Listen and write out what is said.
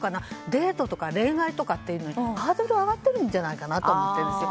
デートとか恋愛というののハードルが上がってるんじゃないかなと思ってるんですよ。